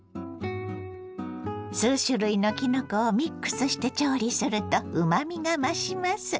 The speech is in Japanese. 数種類のきのこをミックスして調理するとうまみが増します。